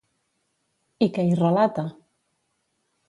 I què hi relata?